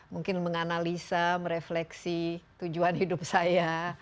mungkin menganalisa merefleksi tujuan hidup saya